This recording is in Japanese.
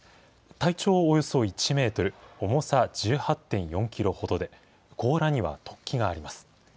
体長およそ１メートル、重さ１８．４キロほどで、甲羅には突起があります。